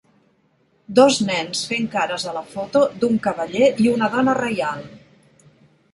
Dos nens fent cares a la foto d'un cavaller i una dona reial.